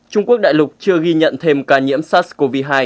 trung quốc đại lục chưa ghi nhận thêm ca nhiễm sars cov hai